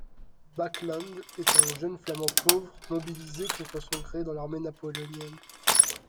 Bakelandt est un jeune Flamand pauvre mobilisé contre son gré dans l'armée napoléonienne.